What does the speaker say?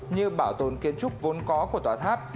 như bảo tồn kiến trúc vốn có của tòa tháp